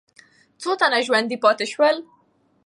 څو تنه ژوندي پاتې سول؟